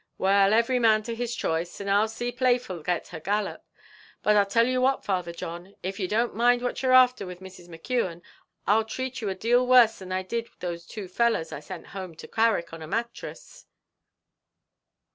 "Well, every man to his choice; and I'll see Playful get her gallop. But I tell you what, Father John, if you don't mind what you're after with Mrs. McKeon, I'll treat you a deal worse than I did those two fellows I sent home to Carrick on a mattress."